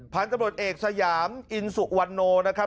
ผ่านตำรวจเอกสยามอินสุวันนู